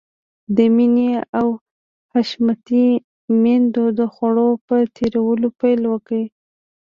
د مينې او حشمتي ميندو د خوړو په تيتولو پيل وکړ.